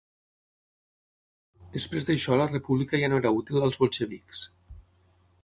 Després d'això la república ja no era útil als bolxevics.